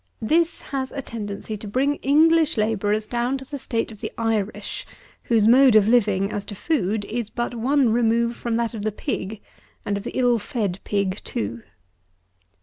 This has a tendency to bring English labourers down to the state of the Irish, whose mode of living, as to food, is but one remove from that of the pig, and of the ill fed pig too.